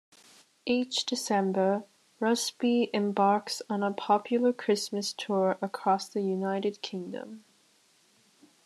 Each December, Rusby embarks on a popular Christmas tour across the United Kingdom.